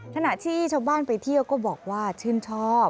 ขณะที่ชาวบ้านไปเที่ยวก็บอกว่าชื่นชอบ